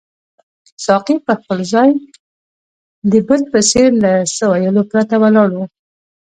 ساقي پر خپل ځای د بت په څېر له څه ویلو پرته ولاړ وو.